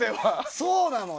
そうなのよ！